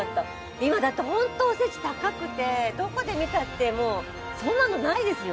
今だってホントおせち高くてどこで見たってもうそんなのないですよ。